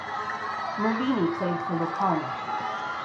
Merlini played for Locarno.